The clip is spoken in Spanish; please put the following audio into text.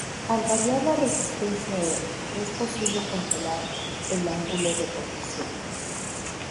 Al variar la resistencia R, es posible controlar el ángulo de conducción.